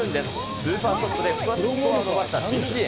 スーパーショットで２つスコアを伸ばした申ジエ。